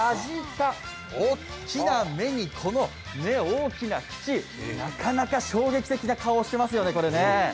大きな目にこの大きな口、なかなか衝撃的な顔をしていますよね。